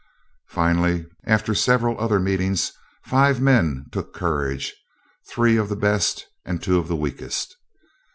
Finally, after several other meetings five men took courage three of the best and two of the weakest.